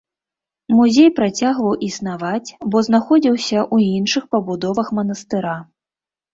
Музей працягваў існаваць, бо знаходзіўся ў іншых пабудовах манастыра.